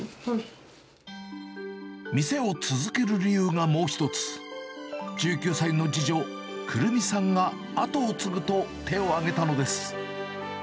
店を続ける理由がもう１つ、１９歳の次女、くるみさんが後を継ぐと手を上げたのです。